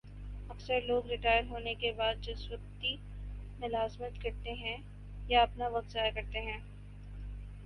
اکثر لوگ ریٹائر ہونے کے بعد جزوقتی ملازمت کرتے ہیں یا اپنا وقت ضائع کرتے ہیں